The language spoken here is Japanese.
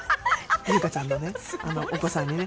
優香ちゃんのね、お子さんにね。